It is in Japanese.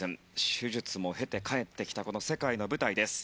手術も経て帰ってきた世界の舞台です。